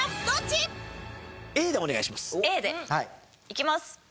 いきます。